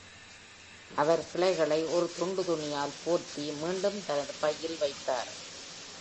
அவர் கிளைகளை ஒரு துண்டு துணியால் போர்த்தி மீண்டும் தனது பையில் வைத்தார்.